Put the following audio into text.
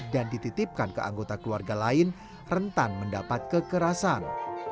dititipkan ke anggota keluarga lain rentan mendapat kekerasan